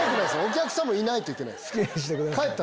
お客さんもいないといけないです。